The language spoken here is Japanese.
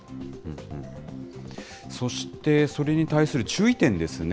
そして、それに対する注意点ですね。